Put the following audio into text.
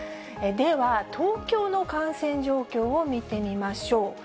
では、東京の感染状況を見てみましょう。